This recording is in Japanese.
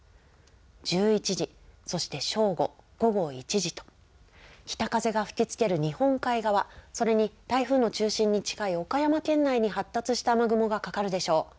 １１時、そして正午、午後１時と、北風が吹きつける日本海側、それに台風の中心に近い岡山県内に発達した雨雲がかかるでしょう。